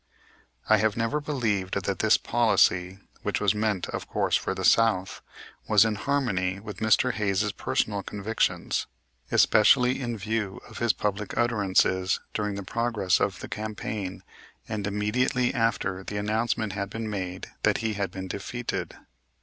I have never believed that this policy, which was meant, of course, for the South, was in harmony with Mr. Hayes' personal convictions; especially in view of his public utterances during the progress of the campaign and immediately after the announcement had been made that he had been defeated.